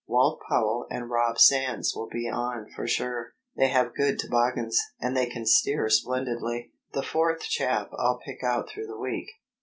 Walt Powell and Rob Sands will be on for sure. They have good toboggans, and they can steer splendidly. The fourth chap I'll pick out through the week."